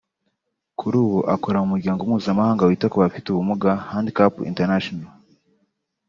Kuri ubu akora mu muryango mpuzamahanga wita ku bafite ubumuga (Handicap International)